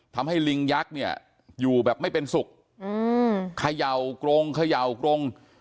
ลิงยักษ์เนี่ยอยู่แบบไม่เป็นสุขเขย่ากรงเขย่ากรง